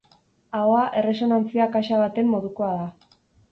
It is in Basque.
Ahoa erresonantzia kaxa baten modukoa da.